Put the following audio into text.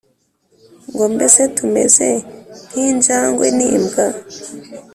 ngo mbese tumeze nk'injangwe n'imbwa?"